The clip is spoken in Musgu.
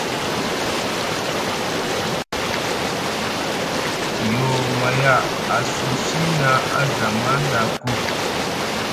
Yoo maya a sosi na a zamaŋ ɗa ko.